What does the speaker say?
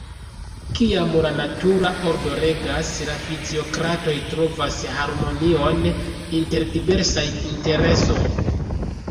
Kiam la natura ordo regas, la fiziokratoj trovas harmonion inter diversaj interesoj.